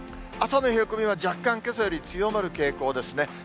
朝の冷え込みは、若干、けさより強まる傾向ですね。